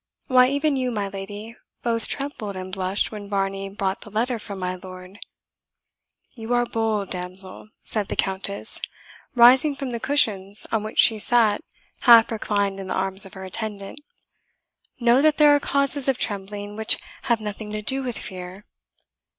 Why, even you, my lady, both trembled and blushed when Varney brought the letter from my lord." "You are bold, damsel," said the Countess, rising from the cushions on which she sat half reclined in the arms of her attendant. "Know that there are causes of trembling which have nothing to do with fear.